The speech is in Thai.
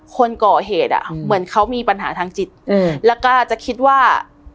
คนก่อเหตุอ่ะเหมือนเขามีปัญหาทางจิตอืมแล้วก็จะคิดว่า